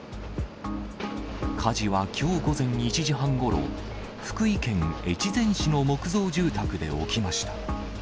火事はきょう午前１時半ごろ、福井県越前市の木造住宅で起きました。